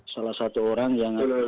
salah satu orang yang